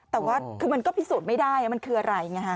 แต่ว่ามันก็พิสูจน์ไม่ได้มันคืออะไร